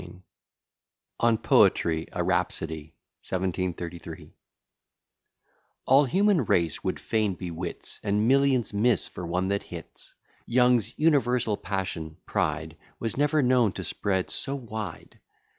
] ON POETRY A RHAPSODY. 1733 All human race would fain be wits, And millions miss for one that hits. Young's universal passion, pride, Was never known to spread so wide.